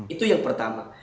itu yang pertama